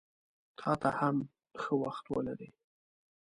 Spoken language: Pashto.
تاته هم ښه وخت ولرې!